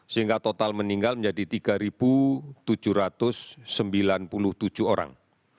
sehingga total meninggal menjadi tiga tujuh ratus sembilan puluh tujuh orang